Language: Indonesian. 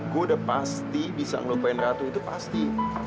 gue udah pasti bisa ngelukuin ratu itu pasti